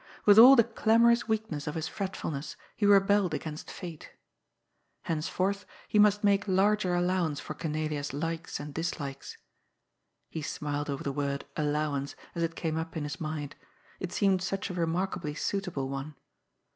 With all the clamorous weakness of his fretf ulness he rebelled against Fate. Henceforth, he must make larger allowance for Corne lia's likes and dislikes. He smiled over the word " allow ance," as it came up in his mind ; it seemed such a remark ably suitable one.